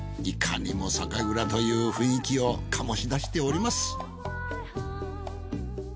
いかにも酒蔵という雰囲気を醸し出しております。